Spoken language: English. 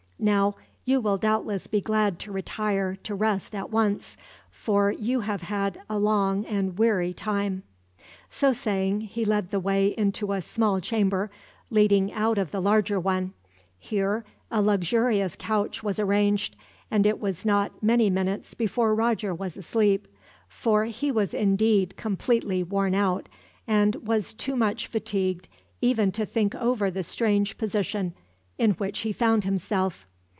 Now, you will doubtless be glad to retire to rest at once, for you have had a long and weary time." So saying, he led the way to a small chamber, leading out of the larger one. Here a luxurious couch was arranged, and it was not many minutes before Roger was asleep; for he was indeed completely worn out, and was too much fatigued even to think over the strange position in which he found himself.